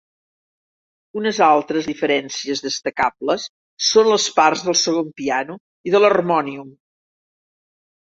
Unes altres diferències destacables són les parts del segon piano i de l'harmònium.